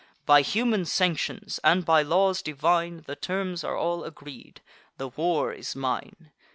By human sanctions, and by laws divine, The terms are all agreed; the war is mine.